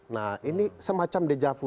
nah ini semacam deja vu